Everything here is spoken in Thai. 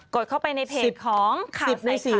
กดเข้าไปในเพจของข่าวใส่ไข่